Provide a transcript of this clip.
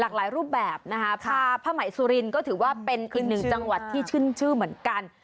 หลายรูปแบบนะคะพาผ้าไหมสุรินก็ถือว่าเป็นอีกหนึ่งจังหวัดที่ขึ้นชื่อเหมือนกัน